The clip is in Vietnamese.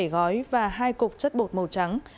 hai mươi bảy gói và hai cục chất bột màu trắng